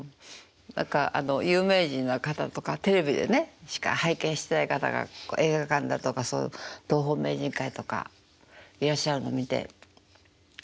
何か有名人の方とかテレビでしか拝見してない方が映画館だとか東宝名人会とかいらっしゃるの見てああ